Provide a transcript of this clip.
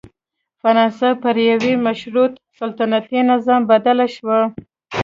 فرانسه پر یوه مشروط سلطنتي نظام بدله شوه.